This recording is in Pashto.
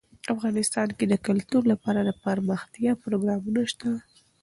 افغانستان کې د کلتور لپاره دپرمختیا پروګرامونه شته.